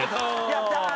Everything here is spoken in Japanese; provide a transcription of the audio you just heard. やったー。